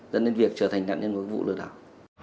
dẫn đến việc trở thành nạn nhân của vụ lừa đảo